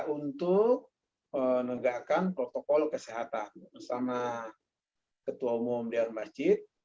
untuk menegakkan protokol kesehatan bersama ketua umum dewan masjid